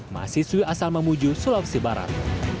masih sui asal memuju sulawesi barat